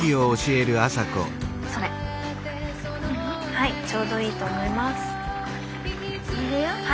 はいちょうどいいと思います。